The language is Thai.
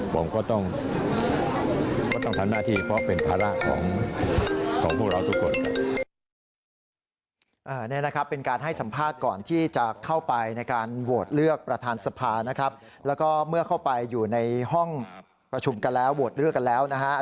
ผมก็ต้องทำหน้าที่เพราะเป็นภาระ